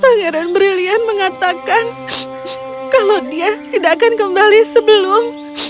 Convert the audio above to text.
pangeran brillian mengatakan kalau dia tidak akan kembali sebelum